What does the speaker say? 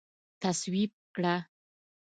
تصویب کړه